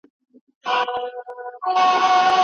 هر څوک به د خپلو کړنو پایله ویني.